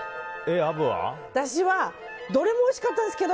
私はどれもおいしかったんですけど